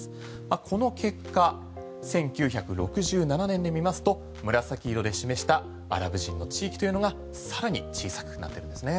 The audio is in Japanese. この結果、１９６７年で見ますと紫色で示したアラブ人の地域というのが更に小さくなってるんですね。